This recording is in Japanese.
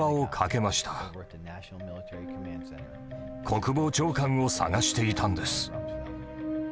国防長官を捜していたんです。